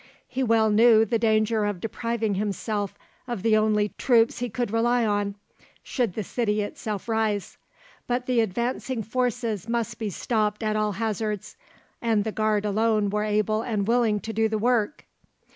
He well knew the danger of depriving himself of the only troops he could rely on, should the city itself rise; but the advancing forces must be stopped at all hazards, and the Guard alone were able and willing to do the work.